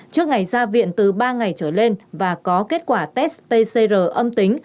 trước ngày ra viện từ ba ngày trở lên và có kết quả test pcr âm tính